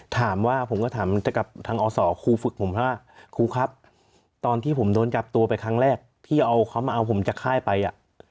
ถามว่าผมก็ถามกับทางอศครูฝึกผมว่าครูครับตอนที่ผมโดนจับตัวไปครั้งแรกพี่เอาเขามาเอาผมจากค่ายไปอ่ะ